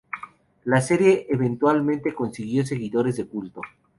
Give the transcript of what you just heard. La serie eventualmente consiguió seguidores de culto.